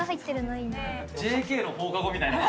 ＪＫの放課後みたいな。